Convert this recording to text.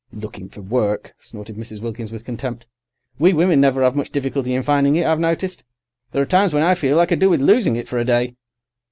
"Looking for work!" snorted Mrs. Wilkins with contempt; "we women never 'ave much difficulty in finding it, I've noticed. There are times when I feel I could do with losing it for a day."